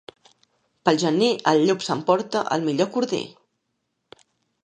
Pel gener el llop s'emporta el millor corder.